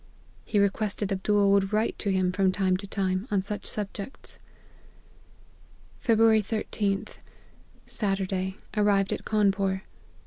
He requested Abdool would write to him, from time to time, on such subjects. " Feb. 13th. Saturday, arrived at Cawnpore.